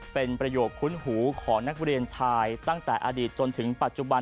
เป็นประโยคคุ้นหูของนักเรียนชายตั้งแต่อดีตจนถึงปัจจุบัน